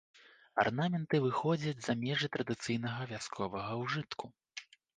Арнаменты выходзяць за межы традыцыйнага вясковага ўжытку.